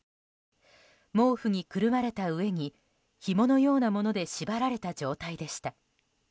毛布にくるまれたうえにひものようなもので縛られた状態でした。